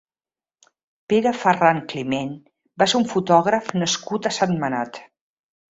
Pere Farran Climent va ser un fotògraf nascut a Sentmenat.